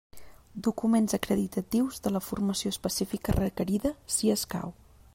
Documents acreditatius de la formació específica requerida, si escau.